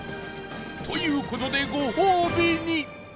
という事でご褒美に